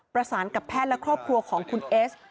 ประสานกับแพทย์และครอบครัวของคุณเอส